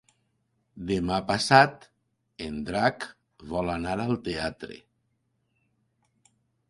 Demà passat en Drac vol anar al teatre.